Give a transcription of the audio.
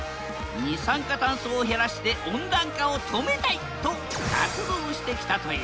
二酸化酸素を減らして温暖化を止めたいと活動してきたという。